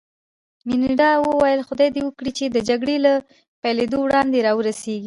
منیرا وویل: خدای دې وکړي چې د جګړې له پېلېدا وړاندې را ورسېږي.